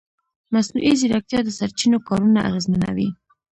مصنوعي ځیرکتیا د سرچینو کارونه اغېزمنوي.